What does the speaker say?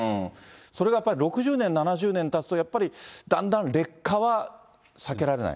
それがやっぱり６０年、７０年たつと、やっぱりだんだん劣化は避けられない？